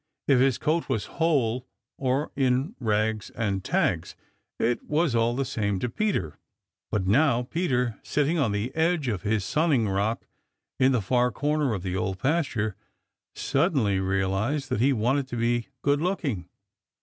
If his coat was whole, or in rags and tags, it was all the same to Peter. But now Peter, sitting on the edge of his sunning bank in the far corner of the Old Pasture, suddenly realized that he wanted to be good looking.